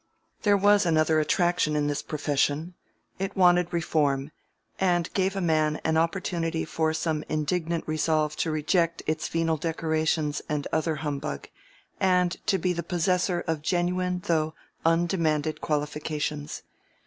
There was another attraction in his profession: it wanted reform, and gave a man an opportunity for some indignant resolve to reject its venal decorations and other humbug, and to be the possessor of genuine though undemanded qualifications.